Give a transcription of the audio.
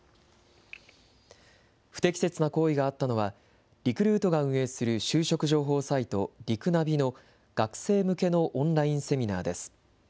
不適切な行為があったのは、リクルートが運営する就職情報サイト、リクナビの学生向けのオンラインセミナーです。